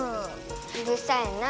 うるさいな。